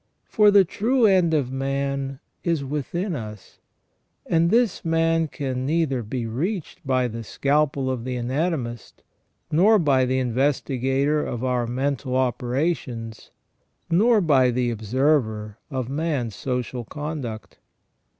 For the true man is within us, and this man can neither be reached by the scalpel of the anatomist, nor by the investigator of our mental operations, nor by the observer of man's social conduct.